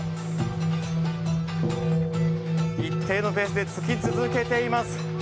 一定のペースでつき続けています。